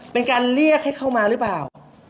เป็นการเรียกให้เข้ามาหรือเปล่า